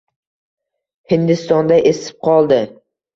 Hindistonda esib qoldi